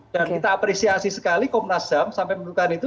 dan kita apresiasi sekali komnasam sampai menentukan itu